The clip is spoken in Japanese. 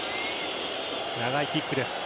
長いキックです。